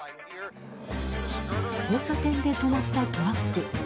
交差点で止まったトラック。